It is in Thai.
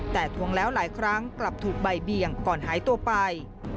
แต่ทวงแล้วหลายครั้งกลับถูกใบเบี่ยงก่อนหายตัวไป